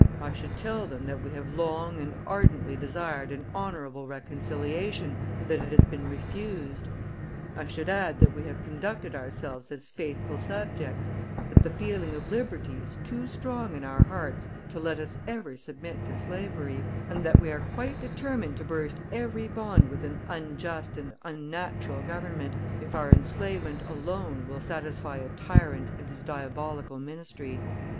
I should tell them that we have long and ardently desired an honorable reconciliation, and that it has been refused. I should add that we have conducted ourselves as faithful subjects, that the feeling of liberty is too strong in our hearts to let us ever submit to slavery, and that we are quite determined to burst every bond with an unjust and unnatural government, if our enslavement alone will satisfy a tyrant and his diabolical ministry.